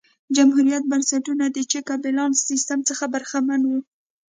جمهوريت بنسټونه د چک او بیلانس سیستم څخه برخمن وو.